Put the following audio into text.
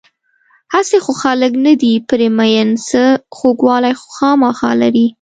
هسې خو خلک نه دي پرې مین، څه خوږوالی خو خوامخا لري.